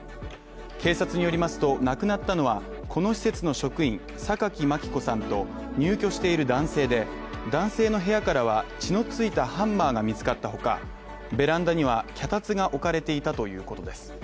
警察によりますと、亡くなったのは、この施設の職員榊真希子さんと、入居している男性で、男性の部屋からは血の付いたハンマーが見つかったほか、ベランダには脚立が置かれていたということです。